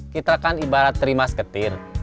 kita kan ibarat trimasketin